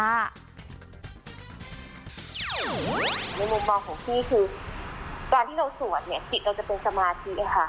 ในมุมมองของพี่คือการที่เราสวดเนี่ยจิตเราจะเป็นสมาธิเลยค่ะ